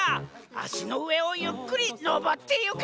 あしのうえをゆっくりのぼってゆけ！